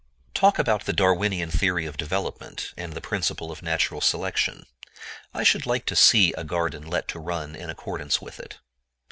Talk about the Darwinian theory of development, and the principle of natural selection! I should like to see a garden let to run in accordance with it.